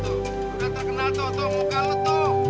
ikan terkenal mu kah lu tuh